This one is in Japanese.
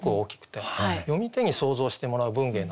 読み手に想像してもらう文芸なんですよね。